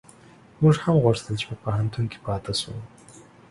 موږ هم غوښتل چي په پوهنتون کي پاته شو